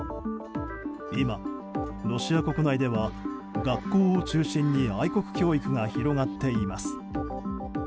今、ロシア国内では学校を中心に愛国教育が広がっています。